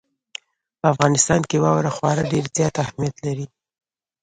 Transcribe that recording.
په افغانستان کې واوره خورا ډېر زیات اهمیت لري.